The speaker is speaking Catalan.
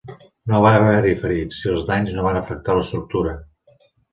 No va haver-hi ferits i els danys no van afectar l'estructura.